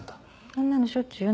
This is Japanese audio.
あんなのしょっちゅうよ。